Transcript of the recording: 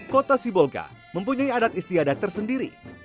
kota sibolga mempunyai adat istiadat tersendiri